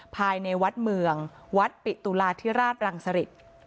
ภายในวัดเมืองวัดปิตุลาธิราชรังสริต